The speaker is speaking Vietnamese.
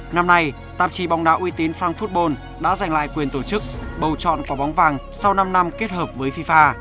năm nay tạp chí bóng đá uy tín phanfood bol đã giành lại quyền tổ chức bầu chọn quả bóng vàng sau năm năm kết hợp với fifa